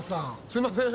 「すいません」